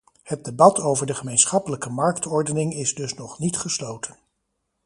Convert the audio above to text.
Het debat over de gemeenschappelijke marktordening is dus nog niet gesloten.